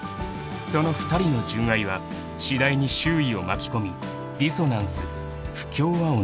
［その２人の純愛は次第に周囲を巻き込みディソナンス不協和音に］